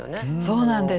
そうなんです。